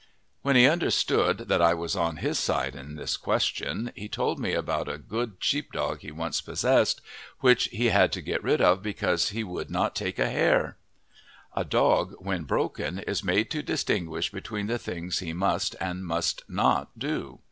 When he understood that I was on his side in this question, he told me about a good sheep dog he once possessed which he had to get rid of because he would not take a hare! A dog when broken is made to distinguish between the things he must and must not do.